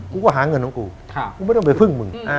กูก็หาเงินของกูกูไม่ต้องไปพึ่งมึง